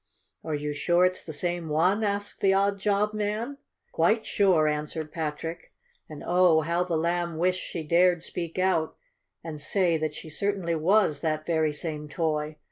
"Are you sure it's the same one?" asked the odd job man. "Quite sure," answered Patrick, and, oh, how the Lamb wished she dared speak out and say that she certainly was that very same toy!